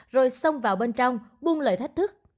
rồi xông vào bên trong buông lời thách thức